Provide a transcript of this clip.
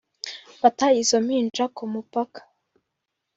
bata izo mpinja ku mupaka